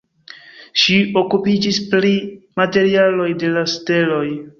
Ŝi okupiĝis pri materialoj de la steloj.